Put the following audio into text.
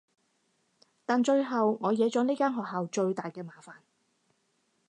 但最後我惹咗呢間學校最大嘅麻煩